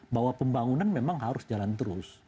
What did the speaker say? bahwa pembangunan memang harus jalan terus